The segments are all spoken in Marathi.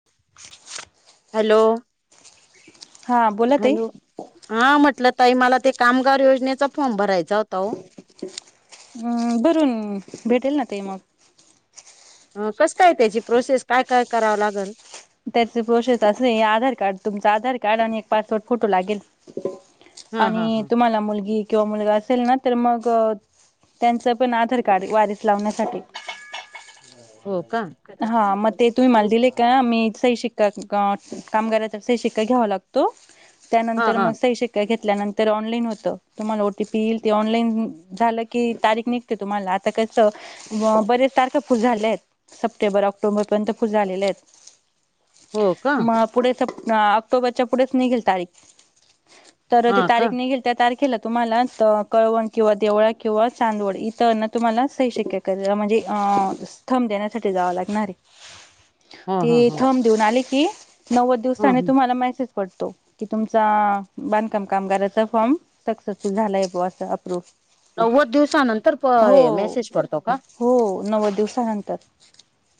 [inaudible] हॅलो. हा बोला ताई हॅलो. हा म्हटलं ताई मला ते कामगार योजनेचा फॉर्म भरायचा होता हो. अ. भरूना म. भेटेल ना ते मग. ह कस काय त्याची प्रोसेस काय- काय करावं लागेल. त्याची प्रोसेस अस हाय आधार कार्ड तुमच आधार कार्ड आणि एक पासपोर्ट फोटो लागेल. हा हा आणि हा तुम्हाला मुलगी किंवा मुलगा असेल ना तर मग. त्यांचं पण आधार कार्ड वारीस लावण्यासाठी. हो का. हा मग ते तुम्ही मला दिले का आम्ही सही शिक्का कामगाराचा सही शिक्का घ्यावा लागतो. हा त्यानंतर हा मग सही शिक्का. घेतल्यानंतर ऑनलाईन होत. तुम्हाला ओटीपी येईल ते ऑनलाईन झालं की तारीख नि. तुम्हाला आता कस बरेच तारखा फूल झाले आहेत. सप्टेंबर ऑक्टोबर पर्यंत फुल झालेले आहेत. हो का मग पुढे स ऑक्टोबरच्या पुढेच निघेल तारीख. तर ते हा का तारीख निघेल त्या तारखेला. तुम्हाला कळवण किंवा देवळा किंवा चांदवड इथं ना तुम्हाला सही शिक्के. म्हणजे अ. थंब देण्यासाठी जावं लागणाराय. हम हम् हम्. थंब देऊन आले की नव्वद दिवसांनी तुम्हाला मेसेज. पडतो. कि तुमचा बांधकाम कामगाराचा फॉर्म. सक्सेसफुल झालाय बो अस अप्रूव. नव्वद दिवसानंतर मेसेज पडतो का? हो नव्वद दिवसानंतर.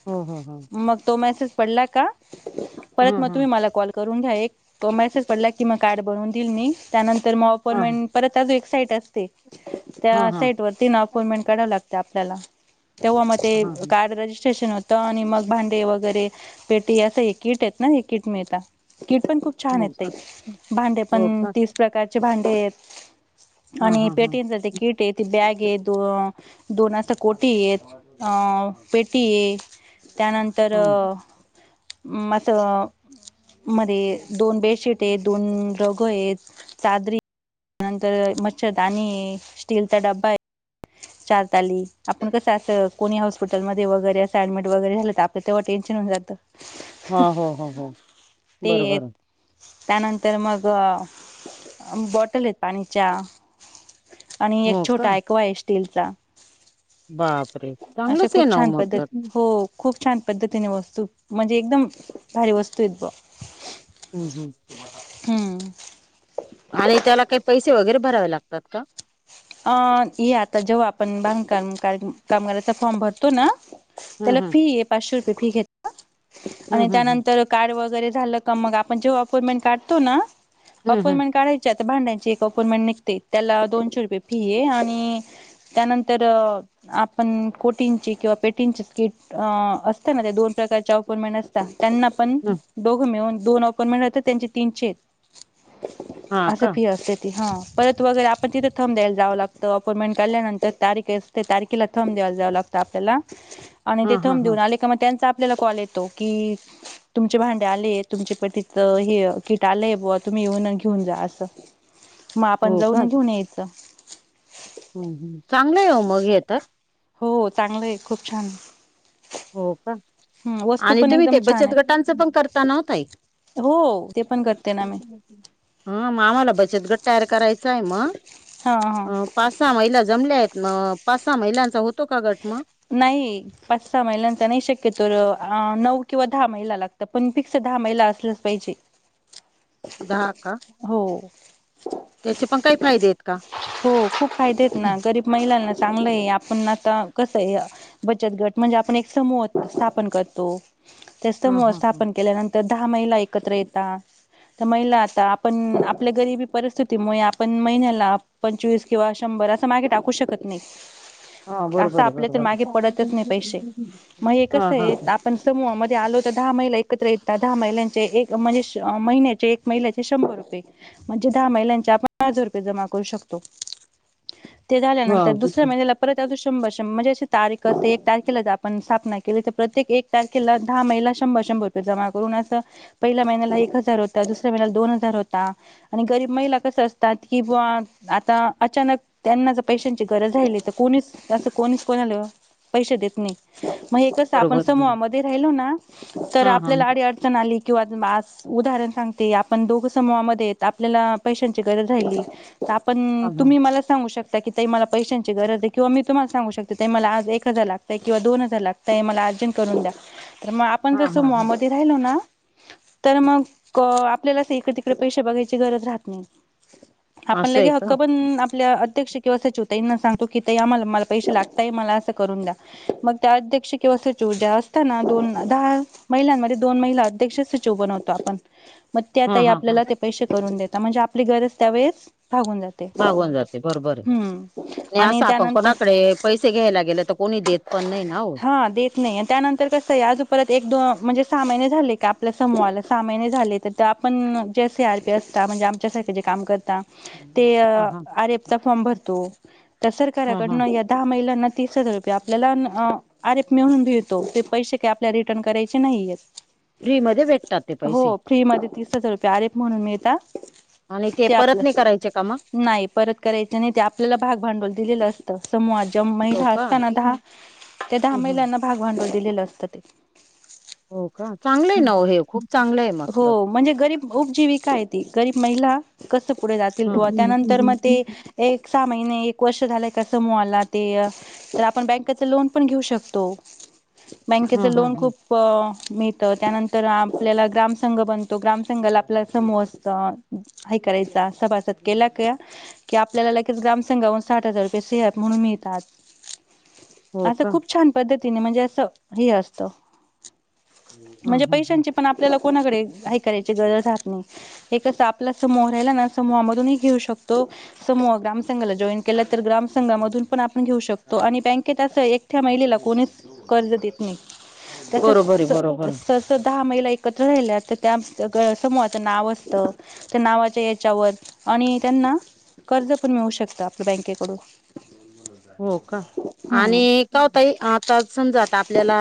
हो हो हो. मग तो मेसेज पडला का. ह परत मग ह तुम्ही मला कॉल. करून घ्या. एक मेसेज पडला की म कार्ड बनवून दिईन मी त्यानंतर मग ह अपॉइमेंट परत. त्यात एक साईट असते. ह त्या ह साईट वर तीन अपॉइंटमेंट काढावं लागते आपल्याला. तेव्हा मग ते हा कार्ड रजिस्ट्रेशन होतं आणि मग भांडे वगैरे. पेटी हे किट आहेत ना हे किट मिळता. कीट पण खूप. छान हो येत. का भांडे हो पण का तीस. भांडी आहेत. हा आणि हा हा ह पेटी की. ते बॅग आहे दो दोन अस कोटी ये अ पेटी आहे. त्यानंतर. मात. मध्ये दोन बेडशीट आहेत. दोन रघ आहे त. चादरी. त्या नंतर मच्छर दाणी आहे. स्टीलचा डब्बा आहे. चारताली आपण कसं अस कोणी हॉस्पिटल मध्ये वगैरे असं ऍडमिट वगैरे झालं तर आपलं तेव्हा टेन्शन होऊन जात. [unintelligible] हा हो हो हो बरोबर. त्यानंतर मग बॉटल आहेत पाण्याच्या. आणि एक हो का छोटा अँक्वा आहे स्टीलचा. बापरे! अशा चांगलंच आहे खूप ना. ओ छान मग पद्धत तर. हो खूप छान पद्धतीने वस्तू. म्हणजे एकदम भारी वस्तू आहेत ब. हं हं. हम्म. आणि त्याला काही पैसे वगैरे भरावे लागतात का? अ ये आता जेव्हा आपण बांधकाम काम कामगाराचा फॉर्म भरतो ना हम्म त्याला फी ये. पाचशे रुपये फी घेतात आणि हम्म हम्म हम्म त्यानंतर कार्ड वगैरे झालं का मग, आपण जेव्हा अपॉइंमेंट काढतो ना, हम्म हम्म हम्म अपॉइंमेंट काढाय ते आता, भांड्यांची एक अपोर्मेंट निघते त्याला दोनशे रुपये फी ये आणि त्यानंतर अ.... आपन कोटींची किंवा पेटींची स्किट अ असतं ना, त्या दोन प्रकारच्या अपोयमेंट तास, त्त्यांना पन हम्म. दोघं मिळून दोन अपॉइंमेट राहतात त्यांचे तीनचे. हा असं का फी असते ती. हं. परत वगैरे आपन तिथं थंब द्यायल जाव लागत. अपॉइंटमेंट काढल्यानंतर तारीखे अस तारखेला थंब द्यायला जावं लागतं आपल्याला आणि हा ते हा थंब हा देऊन आले का म त्यांचा आपल्याला कॉल येतो की तुमचे भांडे आलेत. तुमच्या पतीचं हे अ कीट आलंय बुवा. तुम्ही येऊन घिऊन जा हे असं म आपण हो जावून घिऊन यायच. हं हं, चांगलंय हो मग हे तर. हो चांगलंय, खूप छानये. हो का? वस्तू आनि पण तुम्ही ते एकदम छान बचत आहेत गटांचं पन करता न ओ ताई? हो. ते पण करते ना मी. हं. म आम्हाला बचतगट तयार करायचा आहे हा हा म--अ पाच-सहा महिला जमल्या आहेत म, पाच-सहा महिलांचा होतो का गट म? नाही. पाच-सहा महिलांचा नाही शक्यतोर अ नऊ किंवा दहा महिला लागतात. पन फिकस् दहा महिला असल्याच पाहिजे. [inaudible] दहा का हो. त्याचे पण काही फायदे आहेत का? हो खूप फायदेत ना. गरीब महिलांना चांगलंये. आपन आता कस बचत गट म्हणजे, आपन एक समूह स्थापन करतो. ते हा स्तमूह हा हा स्थापन केल्यानंतर दहा महिला एकत्र येतात. त महिला आता आपण, आपल्या गरिबी परिस्थितीमुळे आपण महिन्याला पंचवीस किंवा शंभर असं मागे टाकू शकत नाई. हं बरोबरये बरोबर पडतच नाही हं हं हं पण समूहामध्ये आलो तर दहा महिला एकत्र येतात. दहा महिलांचे एक म्हणजे श महिन्याचे महिलाचे शंभर रुपये, म्हणजे दहा महिलांचे आपण हजार रुपये जमा करू शकतो. ते हा झाल्यानंतर दुसऱ्या महिन्याला परत अजून शंभर श म्हणजे अशी तारख अ एक तारखेला ज आपण स्थापना केली तर प्रत्येक एक तारखेला दहा महिला शंभर शंभर जमा करून पहिल्या असं, पहिल्या महिन्याला एक हजार होता, दुसऱ्या महिन्याला दोन हजार होता. आणि गरीब महिला कसं असतात, की बुवा आता अचानक त्यांना जर पैशांची गरज राहिली त कोणीच असं कोणाला पैशे देत नाही. मग कसं आपण बरोबर समूहामध्ये राहिलो ना, तर हा हा आपल्याला आडी अडचण आली किंवा उदाहरण सांगते, आपण दोघ समूहामध्येहेत, आपल्याला पैशांची गरज राहिली हा आपन, हा तुम्ही मला सांगू शकता, की ताई मला पैशांची गरज आहे, किंवा मी तुम्हाला सांगू शकता, ताई मला एक हजार लागतय, किंवा मला दोन हजार लागतय, मला अर्जंट करून द्या. तर म आप पण हा जर हा हा समूहामध्ये राहिलो ना तर मग आपल्याला इकडे तिकडे पैशे बघायची गरज राहत नाय. आपण असं लगे आहे का हक्क पण आपल्या अध्यक्ष किंवा सचिवताईंना सांगतो कि ताई आम्हाला मला पैशे लागताय मला असं करून द्या मग त्या अध्यक्ष किंवा सचिव ज्या असतना दोन दहा महिलांमध्ये दोन महिला अध्यक्ष सचिव बनवतो आपण. मग त्या हा ताई हा हा आपल्याला ते पैशे करून देता म्हणजे आपली गरज त्यावेळेस भागून जाते. भागून जाते बरोबर, हम्म नाय आणि आपण असं त्यानंतर कोणाकडे पैसे घ्यायला गेल त कोणी देत पण नाय ना व. नाय त्यानंतर कसं आय आज परत एक दोन म्हणजे सहा महिने झाले का आपल्या समूहाला सहा महिने झाले तर ते आपण जे सी आर पी असता म्हणजे आमच्यासारखे जे काम करता. ते हा हा आर एफ चा फॉर्म भरतो. त्या हा हा सरकाराकडनं या दहा महिलांना तीस हजार रुपये आपल्याला अन् अर एफ मिळून मिळतो ते पैशे काय आपल्याला रिटर्न करायचे नाहीयेत. फ्री मध्ये भेटतात ते हो पैसे फ्री मध्ये तीस हजार रुपये अर एफ म्हणून मिळता. आणि ते परत नाय करायचे का म? नाय परत करायचे नाय ते आपल्याला भाग भांडवल दिलेलं असतं समूहा ज्या हो महिला का असता ना दहा त्या दहा हम्म हम्म महिलांना भाग भांडवल दिलेलं असतं ते. हो का चांगलं आय ना हे खूप चांगलं आय मग हो तर. म्हणजे गरीब उपजीविका आय ते गरीब महिला कसं पुढे जातील बुवा हम्म त्यानंतर म ते एक सहा महिने एक वर्ष झालय का समजूहाला ते तर आपण बँकच लोन पण घेऊ शकतो. बँकेच हम्म लोन हम्म खूप मिळत त्यानंतर आपल्याला ग्राम संंघ बनतो ग्राम संंघाला आपल्या समूह असत. हाय करायचा सभासद केला का- कि आपल्याला लगेच ग्रामसंघाहून साठ हजार सहत म्हणून मिळतात हो आता का खूप छान पद्धतीने म्हणजे अस हे असत. हा म्हणजे हा हा पैशांची पण आपल्याला कोणाकडे [unintelligible] करायची गरज राहात नाय. हे कस आपला समूह राहिला ना समूहामधूनही घेऊ शकतो. समूह ग्राम संघाला जॉईन केला तर ग्राम संघामधून पण आपण घेऊ शकतो आणि बँकेत अस एकट्या महिलेला कोणीच कर्ज देत नाय त्याचच बरोबर आहे बरोबर आहे स - स दहा महिला एकत्र राहिल्या तर त्या समूहाचं नाव असतं. त्या नावाच्या याच्यावर आणि त्यांना कर्ज पण मिळू शकतं आपल बँकेकडून. [inaudible] हो का, हम्म. आणि का ओ ताई आता समजा आता आपल्याला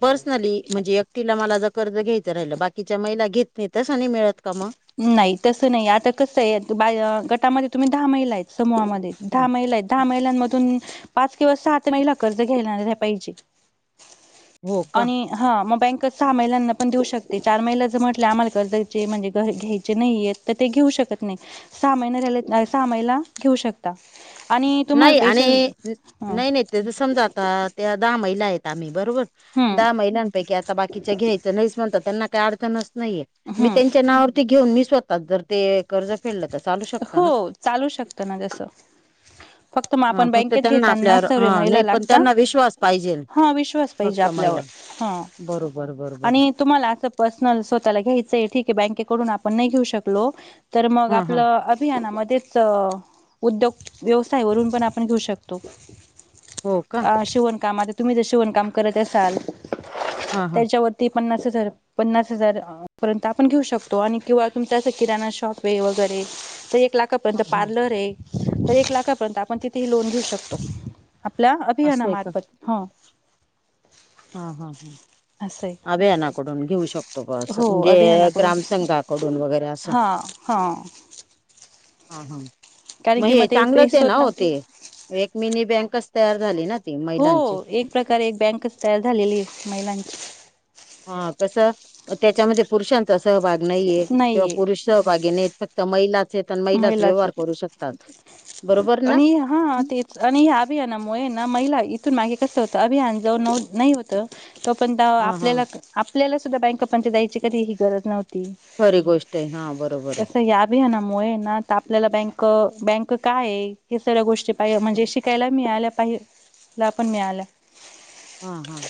पर्सनली म्हणजे एकटीला मला ज कर्ज घ्यायचं राहिलं बाकीच्या महिला घेत नाय तस नाय मिळत का म? नाय तसं नाय आता कस आय बा गटामध्ये तुम्ही दहा महिला आय समूहामध्ये हं. दहा महिला आय दहा महिलांमधून पाच किंवा सात महिला कर्ज घेणाऱ्या पाहिजे. हो का आणि हा म बँक सहा महिलांना पण देऊ शकते चार महिला जर म्हटले आम्हाला कर्जाचे म्हणजे घ्यायचे नाहीये तर ते घेऊ शकत नाय सहा महिना सहा महिला घेऊ शकत ता. आणि तुम्हाला नाही आणि पेशल न- हा नाही नाही ते समजा आता त्या दहा महिला आयत आम्ही बरोबर दहा महिला पैकी आता बाकीच घ्यायचं नायच म्हणतात त्यांना काय अडचणच नाईये मी हम्म त्यांच्या नावा वर ते घेऊन मी स्वताच जर ते कर्ज फेडलं तर चालू शकता हो ना? चालू शकतना जसं. फक्त मग हा आपण फक्त बँकेत त्यांना घेतानाना आपल्यावर सर्व हा महिला नाही पण लागता, त्यांना विश्वास पाहिजेल हा विश्वास पाहिजे आपल्यावर, हा. बरोबर-बरोबर. आणि तुम्हाला पर्नल स्वतःला घ्यायच, ठीक आहे. बँकेकडून आपण नाही घेऊ शकलो तर हा हा आपलं अभियानामध्येच अ उद्योग व्यवसायवरून पण आपण घेऊ शकतो. हो का अ शिवणकाम, तुम्ही जर शिवणकाम करत असाल, हा हा त्याच्यावर ती पन्नास हजार, पन्नास हजार परंत आपण घेऊ शकतो. आणि किंवा तुमच्या असं किराना शॉप आहे. वगैरे तर एक हा लाखापर्यंत, हा पार्लर आहे. तर एक लाखापर्यंत आपण तिथेही लोन घेऊ शकतो. आपल असं आहे अभियानामार्फत, ह. हा-हा-हा. असं आहे अभियानाकडून घेऊ शकतो. ब असं, हो म्हणजे ग्रामसंघाकडून वगैरे असं. हां-हां. हा-हा, कारण म की मग हे ते पेस्ट चांगलंचये ना होता ओ ते. एक मिनी बँकच तयार झाली ना. ती हो, महिलांची एक प्रकारे एक बँकच तयार झालेली आहे महिलांची. हा कसं, त्याच्यामध्ये पुरुषांचा सहभाग नईये किंवा नाहीये पुरुष सहभागी नईत फक्त त मईलाच येत, मईलाच महिलाच व्यवहार करू शकतात. बरोबर ना. ए हा ते. आणि ह्या आभियानामुळे न महिला इथून मागे कसं होतं. आभियान जाऊन नई होत. तो पण दाव हा हा आपल्याला-आपल्याला सुद्धा बँका पर्यत जायची कधी ही गरज नव्हती. ती. खरी गोष्ट आहे हा बरोबर आहे तस या आभियानामुळे ना त आपल्याला बँक-बँक काय ये हे, सगळ्या गोष्टी पाह म्हणजे शिकायला मिळाल्या पाह ला पण मिळाल्या. हा-हा.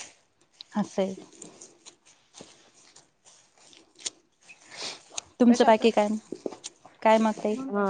आसए. तुमचं बाकी काय? काय मत आहे हा,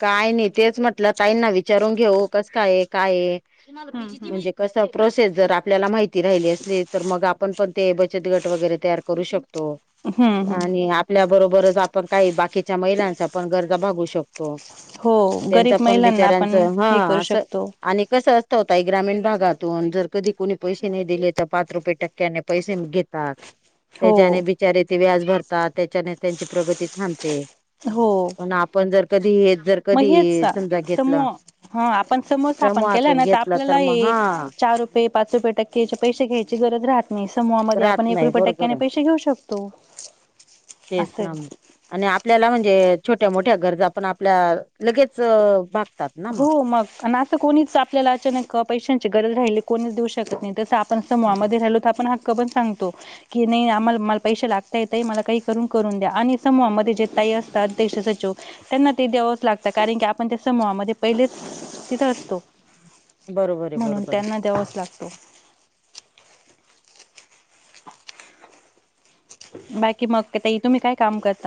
काय नाही. तेच म्हटलं ताईंना विचारून घेऊ कस कायये-कायये. मला पी हम्म जी ची म्हनजे. हम्म कसं प्रोसेस जर आपल्याला माहिती राहिली असली, तर मग आपण पण ते बचत गट वगैरे तयार करू शकतो. हम्म हम्म आणि आपल्या बरोबरच आपण काही बाकीच्या महिलांच्या पण गरजा भागऊ शक तो. हो गरीब त्यांचा पण महिलांना आपण विचारांच, हे हा करू अस शकतो आणि कसं असं त ताई ग्रामीण भागातून जर कधी कुणी पैसे नाही दिले, तर पाच रुपये टक्क्याने पैसे घेतात. हो त्याच्याने बिचारे ते व्याज भरतात. त्याच्याने त्यांची प्रगती थांबते. हो. ना आपण जर कधी येत म हेच त, समुह. हा आपण समुह स्थापन केला समूहातून न तर घेतलं आपल्याला मग एक, हा चार रूप ते पाच रुपय टक्याचे पैसे घ्यायची गरज राहात नई, समूहामध्ये राहत आपण एक नाही रुपये बरोबर टक्क्याने आहे पैसे घेऊ शकतो. तेच असंय. ना मग आणि आपल्याला म्हणजे, छोट्या-मोठ्या गरजा पण आपल्या लगेच भाग हो मग अनाथ त कोणीच आपल्याला अचानक पैशांची गरज राहिली कोणीच देऊ शकत नाही. तसं आपण समूहामध्ये राहिलो तर आपण हा कबन सांगतो. कि नाही आम्हाला मला पैसे लागता, येतही मला काही करून-करून द्या आणि समूहामध्ये जे ताई असतात ते अध्यक्ष सचिव त्यांना ते द्यावंच लागतं. कारण की आपण त्या समूहामध्ये पहिलेच, तिथं असतो. बरोबर आहे म्हणून बरोबर आहे त्यांना द्यावच लागतो बाकी मग ते ताई तुम्ही काय काम करता.